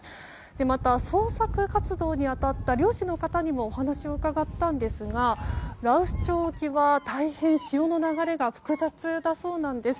また、捜索活動に当たった漁師の方にもお話を伺ったんですが羅臼町沖は大変潮の流れが複雑だそうです。